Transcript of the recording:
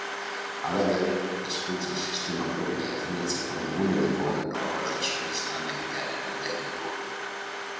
Halaber, hezkuntza sistema propioa defendatzeko egunerokoan normaltasunez lan egitearen alde egin du.